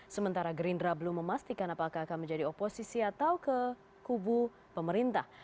sementara gerindra belum memastikan apakah akan menjadi oposisi atau ke kubu pemerintah